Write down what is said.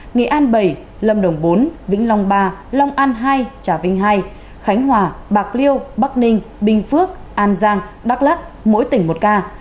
nghệ an bảy lâm đồng bốn vĩnh long ba long an hai trà vinh ii khánh hòa bạc liêu bắc ninh bình phước an giang đắk lắc mỗi tỉnh một ca